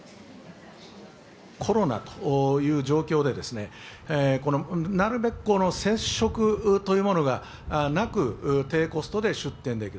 コロナという状況で、なるべく接触というものがなく、低コストで出店できる。